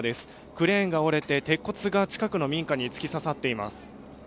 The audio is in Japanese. クレーンが折れて鉄骨が近くの民家に突き刺さっています。